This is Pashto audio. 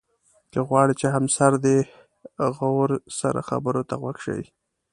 که غواړې چې همسر دې غور سره خبرو ته غوږ شي.